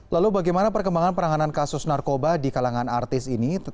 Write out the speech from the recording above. lalu bagaimana perkembangan peranganan kasus narkoba di kalangan artis ini